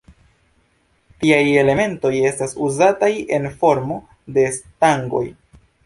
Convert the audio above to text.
Tiaj elementoj estas uzataj en formo de stangoj.